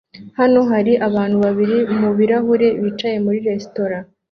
Hano hari abantu babiri mubirahuri bicaye muri resitora